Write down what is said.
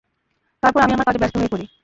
তারপর আমি আমার কাজে ব্যস্ত হয়ে পরি।